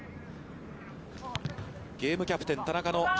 ゲームキャプテン田中の。